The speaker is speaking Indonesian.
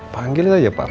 panggil aja papa